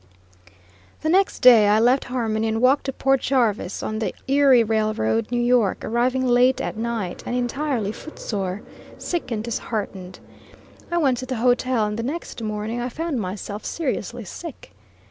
The next day I left Harmony and walked to Port Jarvis, on the Erie Railroad, N. Y., arriving late at night, and entirely footsore, sick, and disheartened. I went to the hotel, and the next morning I found myself seriously sick.